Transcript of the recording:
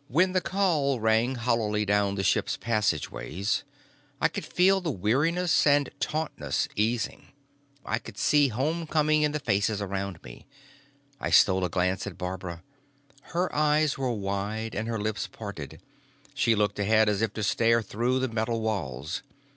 _"When the call rang hollowly down the ship's passageways, I could feel the weariness and tautness easing, I could see homecoming in the faces around me. I stole a glance at Barbara. Her eyes were wide and her lips parted, she looked ahead as if to stare through the metal walls.